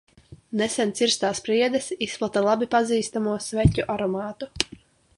Nesen cirstās priedes izplata labi pazīstamo sveķu aromātu.